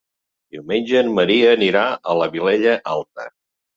Diumenge en Maria anirà a la Vilella Alta.